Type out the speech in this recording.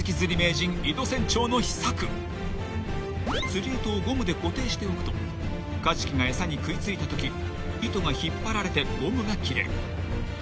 ［釣り糸をゴムで固定しておくとカジキが餌に食い付いたとき糸が引っ張られてゴムが切れる］